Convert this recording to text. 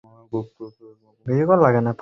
আর মাঝেমধ্যে, একদম সাদাসিধে হওয়াই ভাল।